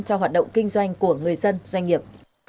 cho hoạt động kinh doanh của người dân doanh nghiệp